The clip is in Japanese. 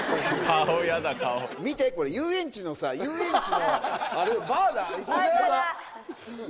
見てこれ、遊園地のさ、遊園地のあれ、バーと一緒だよ。